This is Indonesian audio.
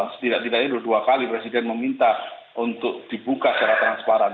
setidak tidaknya dua kali presiden meminta untuk dibuka secara transparan